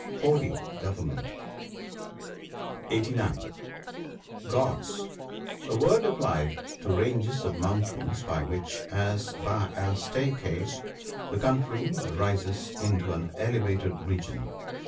Hodie. "Govern ment." NOTES. 159 (89) Ghauts. — A word applied to ranges of mountain, by which, as by a staircase y the country rises into an elevated region.